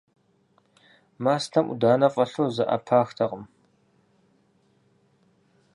Мастэм Ӏуданэ фӀэлъу зэӀэпахтэкъым.